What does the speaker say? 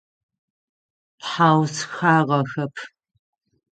Тхьаусхагъэхэп.